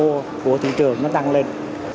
và cái sức mua của thị trường nó tăng lên